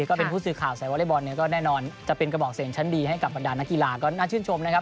ก็เป็นผู้สื่อข่าวใส่วอเล็กบอลเนี่ยก็แน่นอนจะเป็นกระบอกเสียงชั้นดีให้กับบรรดานักกีฬาก็น่าชื่นชมนะครับ